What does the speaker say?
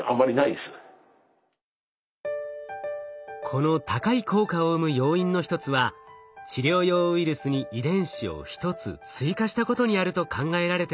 この高い効果を生む要因の一つは治療用ウイルスに遺伝子を１つ追加したことにあると考えられています。